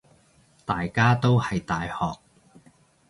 大家都係大學